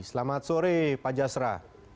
selamat sore pak jasra